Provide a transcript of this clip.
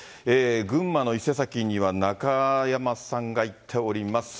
群馬の伊勢崎には中山さんが行っております。